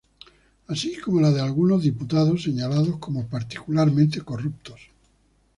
Así como la de algunos diputados, señalados como particularmente corruptos.